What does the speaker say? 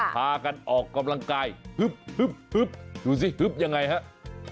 พากันออกกำลังกายดูสิยังไงฮะ